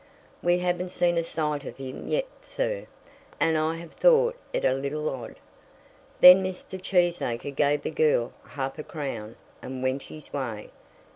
"We haven't seen a sight of him yet, sir, and I have thought it a little odd." Then Mr. Cheesacre gave the girl half a crown, and went his way.